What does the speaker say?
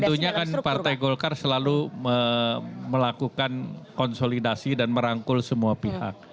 tentunya kan partai golkar selalu melakukan konsolidasi dan merangkul semua pihak